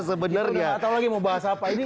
sebenarnya sudah tidak tahu lagi mau bahas apa